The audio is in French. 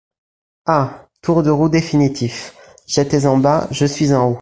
Ah! tour de roue définitif ! j’étais en bas, je suis en haut.